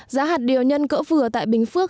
giá hạt điều nhân cỡ vừa tại bình phước